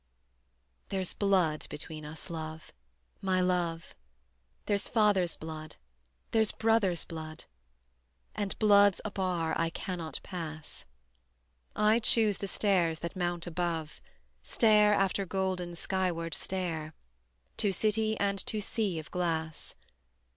There's blood between us, love, my love, There's father's blood, there's brother's blood; And blood's a bar I cannot pass: I choose the stairs that mount above, Stair after golden skyward stair, To city and to sea of glass.